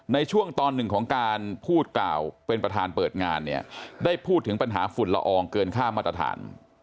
ในช่วงตอนหนึ่งของการพูดกล่าวเป็นประธานเปิดงานเนี่ยได้พูดถึงปัญหาฝุ่นละอองเกินค่ามาตรฐาน